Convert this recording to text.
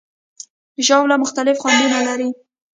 ژاوله مختلف خوندونه لري.